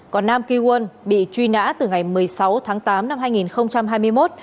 còn nam key quân bị truy nã từ ngày một mươi sáu tháng tám năm hai nghìn hai mươi một